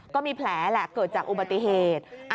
ก็มีแผลแหละเกิดจากอุบัติเหตุ